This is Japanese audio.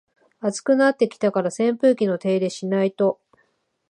暑くなってきたから扇風機の手入れしないと